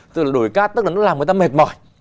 tức là đổi cát tức là nó làm người ta mệt mỏi